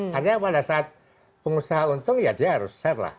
hanya pada saat pengusaha untung ya dia harus share lah